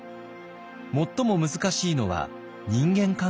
最も難しいのは人間関係でした。